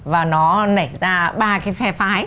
và nó nảy ra ba cái phe phái